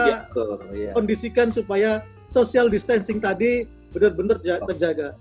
ya kondisikan supaya social distancing tadi benar benar terjaga